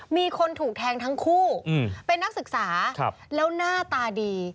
มีคนถูกแทงทั้งคู่เป็นนักศึกษาแล้วหน้าตาดี